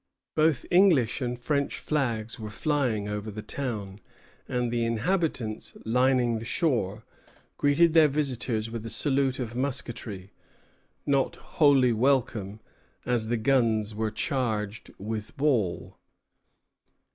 Both English and French flags were flying over the town, and the inhabitants, lining the shore, greeted their visitors with a salute of musketry, not wholly welcome, as the guns were charged with ball.